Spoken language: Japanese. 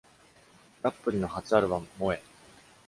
ラプトリの初アルバム、モエ！